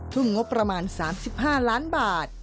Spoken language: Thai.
ทุ่มงบประมาณ๓๕ล้านบาท